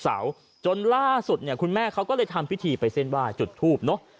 จนล่าสุดเนี่ยคุณแม่เขาก็เลยทำพิธีไปเส้นไหว้จุดทูบเนอะ